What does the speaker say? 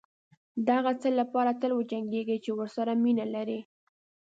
دهغه څه لپاره تل وجنګېږئ چې ورسره مینه لرئ.